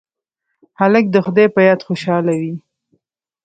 هلک د خدای په یاد خوشحاله وي.